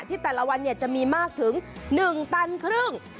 แต่ละวันจะมีมากถึง๑ตันครึ่ง